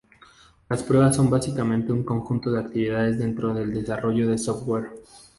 Las pruebas son básicamente un conjunto de actividades dentro del desarrollo de software.